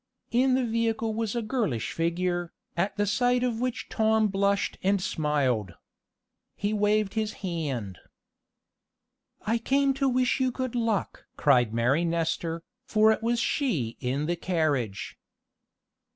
In the vehicle was a girlish figure, at the sight of which Tom blushed and smiled. He waved his hand. "I came to wish you good luck!" cried Mary Nestor, for it was she in the carriage.